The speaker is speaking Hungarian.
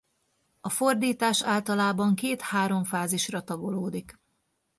A fordítás általában két-három fázisra tagolódik.